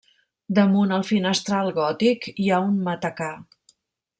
Damunt el finestral gòtic hi ha un matacà.